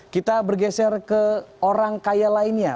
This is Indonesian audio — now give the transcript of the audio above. kita bergeser ke orang kaya lainnya